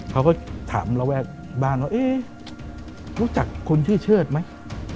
เขาก็ถามระแวกบ้านว่าเอ๊ะรู้จักคนชื่อเชิดไหม